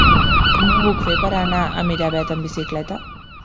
Com ho puc fer per anar a Miravet amb bicicleta?